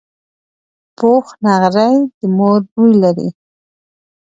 پوخ نغری د مور بوی لري